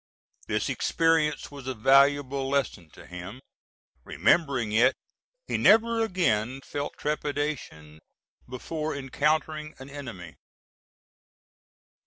This experience was a valuable lesson to him; remembering it, he never again felt trepidation before encountering an enemy.